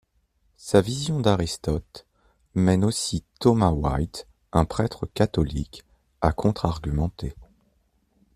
Sa vision d'Aristote mène aussi Thomas White, un prêtre catholique, à contre-argumenter.